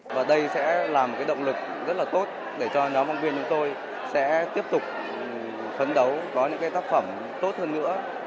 và đây sẽ là một động lực rất là tốt để cho nhóm phóng viên chúng tôi sẽ tiếp tục phấn đấu có những tác phẩm tốt hơn nữa